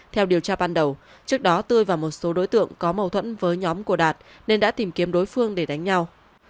theo điều tra ban đầu trước đó tươi và một số đối tượng có mâu thuẫn với nhóm của đạt nên đã tìm kiếm đối phương để đánh nhau